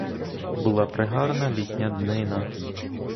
Була прегарна літня днина.